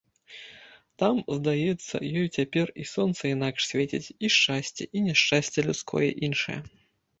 Там, здаецца ёй цяпер, і сонца інакш свеціць, і шчасце, і няшчасце людское іншае.